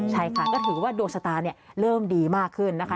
ใช่ค่ะก็ถือว่าดวงชะตาเริ่มดีมากขึ้นนะคะ